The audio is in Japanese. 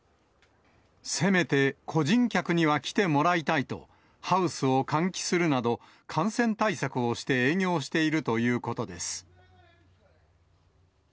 せめて個人客には来てもらいたいと、ハウスを換気するなど、感染対策をして営業しているということです。